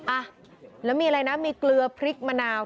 อ่ะแล้วมีอะไรนะมีเกลือพริกมะนาว